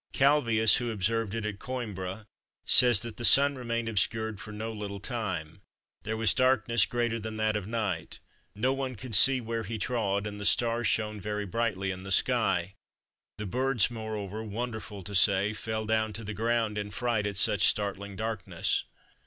Clavius who observed it at Coimbra says that "the Sun remained obscured for no little time: there was darkness greater than that of night, no one could see where he trod and the stars shone very brightly in the sky: the birds moreover, wonderful to say, fell down to the ground in fright at such startling darkness."